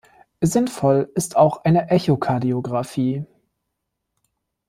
Sinnvoll ist auch eine Echokardiografie.